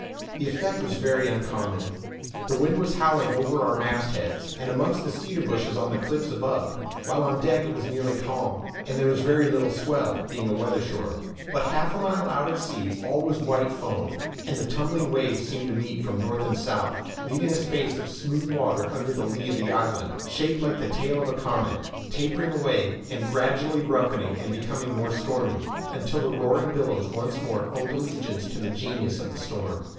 The effect was very uncommon; the wind was howling over our mastheads, and amongst the cedar bushes on the cliffs above, while on deck it was nearly calm, and there was very little swell, being a weather shore; but half a mile out at sea all was white foam, and the tumbling waves seemed to meet from north and south, leaving a space of smooth water under the lee of the island, shaped like the tail of a comet, tapering away, and gradually roughening and becoming more stormy, until the roaring billows once more owned allegiance to the genius of the storm.